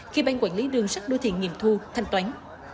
khi ban quản lý đường sắt đô thị nghiệm thu thanh toán